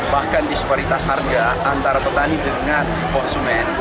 bahkan disparitas harga antara petani dengan konsumen